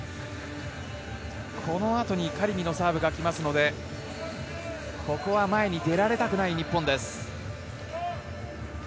この後にカリミのサーブがきますのでここは前に出られたくない日本です。